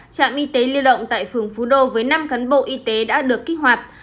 trạm y tế lưu động tại phường phú đô với năm cán bộ y tế đã được kích hoạt